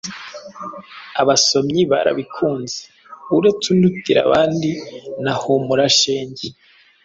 Abasomyi barabikunze. Uretse Undutira abandi na Humura Shenge